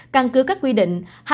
căn cứ các quy định